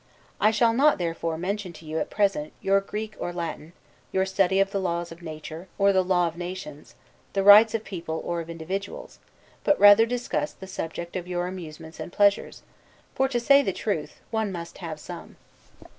I shall not therefore mention to you, at present, your Greek or Latin, your study of the Law of Nature, or the Law of Nations, the Rights of People, or of Individuals; but rather discuss the subject of your Amusements and Pleasures; for, to say the truth, one must have some.